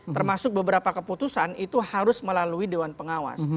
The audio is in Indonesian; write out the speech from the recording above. termasuk beberapa keputusan itu harus melalui dewan pengawas